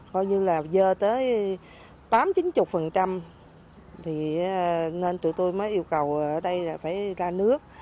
coi như là dơ tới tám chín mươi thì nên tụi tôi mới yêu cầu ở đây là phải ra nước